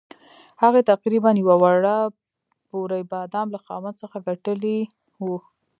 هغې تقریباً یوه وړه بورۍ بادام له خاوند څخه ګټلي وو.